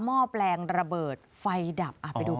ม่อแปลงระเบิดไฟดับ